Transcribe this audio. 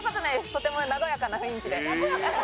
とても和やかな雰囲気で。